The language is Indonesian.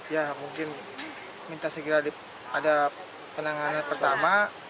ya mungkin minta segera ada penanganan pertama